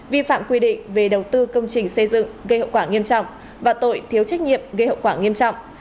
vi phạm quy định về đầu tư công trình xây dựng gây hậu quả nghiêm trọng và tội thiếu trách nhiệm gây hậu quả nghiêm trọng